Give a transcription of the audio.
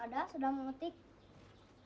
ada sudah mau mengetik